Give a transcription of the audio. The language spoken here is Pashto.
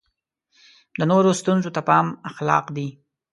د نورو ستونزو ته پام اخلاق دی.